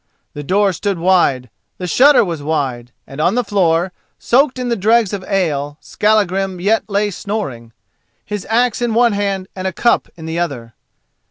The door stood wide, the shutter was wide, and on the floor, soaked in the dregs of ale, Skallagrim yet lay snoring, his axe in one hand and a cup in the other.